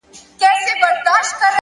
عاجزي د درناوي ریښې ژوروي.!